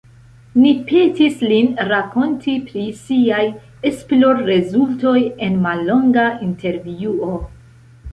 Ni petis lin rakonti pri siaj esplorrezultoj en mallonga intervjuo.